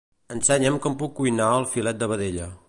Ensenya'm com puc cuinar el filet de vedella.